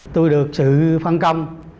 tôi được sự phân công